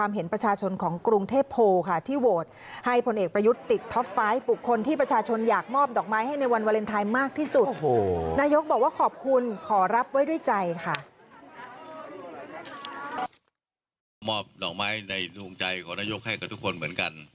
มอบดอกไม้ในดวงใจของนายกให้กับทุกคนเหมือนกัน